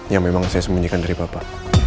yang memang saya sembunyikan dari papa